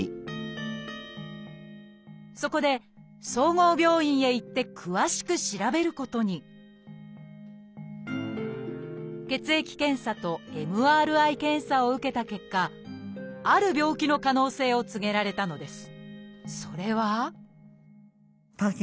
そこで総合病院へ行って詳しく調べることにを受けた結果ある病気の可能性を告げられたのです。